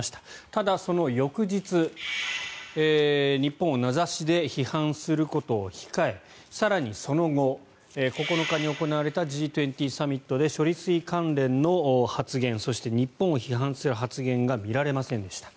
ただ、その翌日日本を名指しで批判することを控え更にその後９日に行われたＧ２０サミットで処理水関連の発言そして日本を批判する発言が見られませんでした。